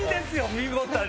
見事に。